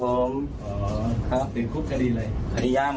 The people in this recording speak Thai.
หนุนครั้งใหญ่เริ่มเศษพันบันเมนไปไหน